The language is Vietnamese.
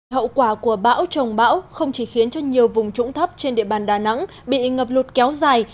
hậu quả của bão trồng bão không chỉ khiến cho nhiều vùng trũng thấp trên địa bàn đà nẵng bị ngập lụt kéo dài